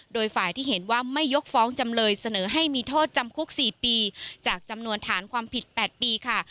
โดยฝ่ายที่เห็นว่าไม่ยกฟ้องจำเลยเสนอให้มีโทษจำคุก๔ปีจากจำนวนฐานความผิด๘ปีค่ะ